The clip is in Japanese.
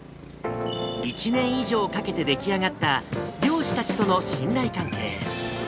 １年以上かけて出来上がった漁師たちとの信頼関係。